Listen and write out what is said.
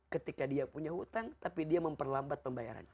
ketika dia punya hutang tapi dia memperlambat pembayarannya